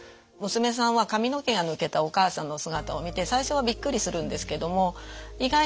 娘さんは髪の毛が抜けたお母さんの姿を見て最初はびっくりするんですけども意外に早く慣れるんですね。